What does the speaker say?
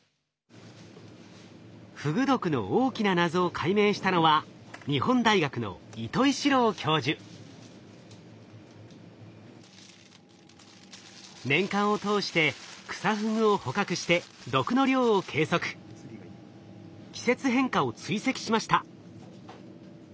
フグ毒の大きな謎を解明したのは日本大学の年間を通してクサフグを捕獲して季節変化を追跡しました。